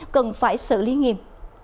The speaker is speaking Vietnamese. cần phải xử lý nghiêm